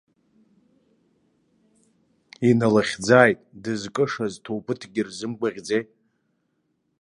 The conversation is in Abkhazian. Инлыхьӡааит, дызкышаз ҭоубыҭкгьы рзымгәаӷьӡеи.